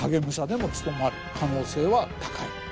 可能性は高い。